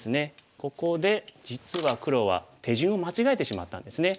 ここで実は黒は手順を間違えてしまったんですね。